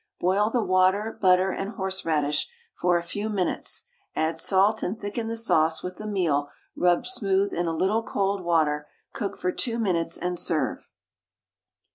Boil the water, butter, and horseradish for a few minutes, add salt, and thicken the sauce with the meal rubbed smooth in a little cold water; cook for two minutes, and serve.